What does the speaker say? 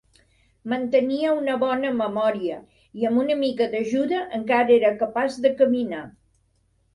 Mantenia una bona memòria i amb una mica d'ajuda encara era capaç de caminar.